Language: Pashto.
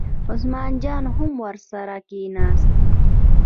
عثمان جان هم ورسره کېناست.